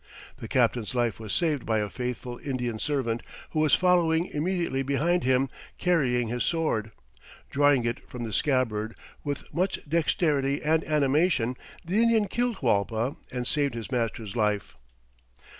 The captain's life was saved by a faithful Indian servant who was following immediately behind him, carrying his sword. Drawing it from the scabbard "with much dexterity and animation," the Indian killed Hualpa and saved his master's life.